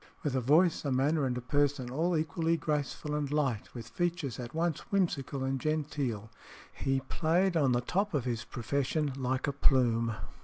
With a voice, a manner, and a person all equally graceful and light, with features at once whimsical and genteel, he played on the top of his profession like a plume.